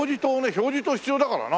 表示灯必要だからな。